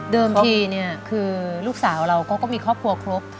ทีเนี่ยคือลูกสาวเราก็มีครอบครัวครบ